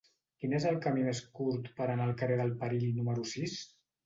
Quin és el camí més curt per anar al carrer del Perill número sis?